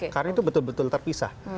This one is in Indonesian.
karena itu betul betul terpisah